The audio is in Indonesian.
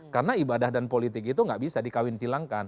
karena ibadah dan politik itu tidak bisa dikawin silangkan